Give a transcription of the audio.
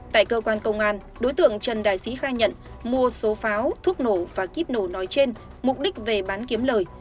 tại cơ quan công an đối tượng trần đại sĩ khai nhận mua số pháo thuốc nổ và kíp nổ nói trên mục đích về bán kiếm lời